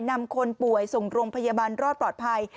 นำคนป่วยส่งโรงพยาบาลรอดปลอดภัย